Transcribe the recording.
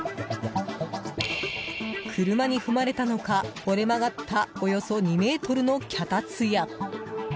車に踏まれたのか、折れ曲がったおよそ２ｍの脚立や。